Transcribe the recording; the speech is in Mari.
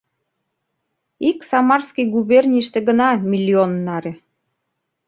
Ик Самарский губернийыште гына миллион наре